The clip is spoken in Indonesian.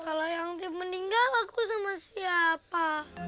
kalau yang meninggal aku sama siapa